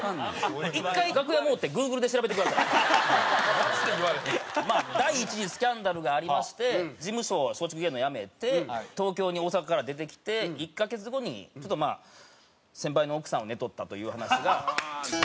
１回楽屋戻ってまあ第１次スキャンダルがありまして事務所を松竹芸能辞めて東京に大阪から出てきて１カ月後にちょっとまあ先輩の奥さんを寝取ったという話がありまして。